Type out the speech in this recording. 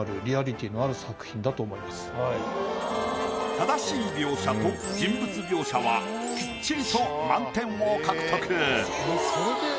正しい描写と人物描写はきっちりと満点を獲得。